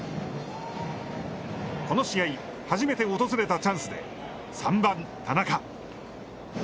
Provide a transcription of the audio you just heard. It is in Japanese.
この試合、初めて訪れたチャンスで３番田中。